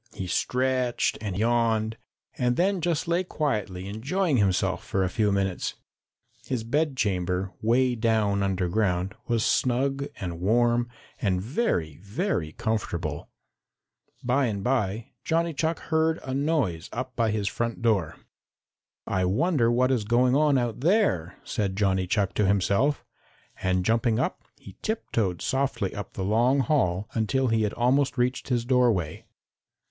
He stretched and yawned and then just lay quietly enjoying himself for a few minutes. His bedchamber, way down underground, was snug and warm and very, very comfortable. By and by, Johnny Chuck heard a noise up by his front door. "I wonder what is going on out there," said Johnny Chuck to himself, and jumping up, he tiptoed softly up the long hall until he had almost reached his doorway.